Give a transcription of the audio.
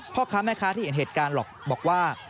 พ่อค้าแม่ค้าที่เห็นเหตุการณ์หรอกบอกว่า